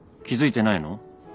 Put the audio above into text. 気付いてないの？